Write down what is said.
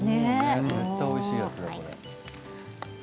絶対おいしいやつだ。